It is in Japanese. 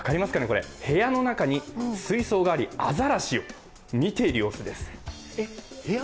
これ部屋の中に水槽があってアザラシを見ている様子です。